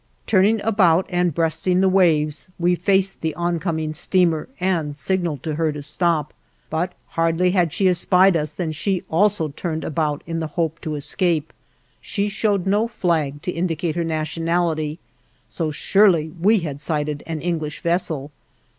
Turning about and breasting the waves we faced the oncoming steamer and signaled to her to stop; but hardly had she espied us than she also turned about in the hope to escape. She showed no flag to indicate her nationality, so surely we had sighted an English vessel.